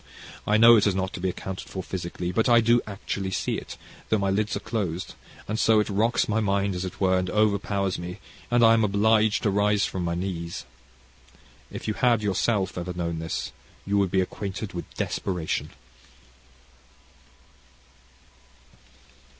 I know it is not to be accounted for physically, but I do actually see it, though my lids are dosed, and so it rocks my mind, as it were, and overpowers me, and I am obliged to rise from my knees. If you had ever yourself known this, you would be acquainted with desperation."